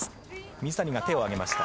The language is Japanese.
水谷が手を上げました。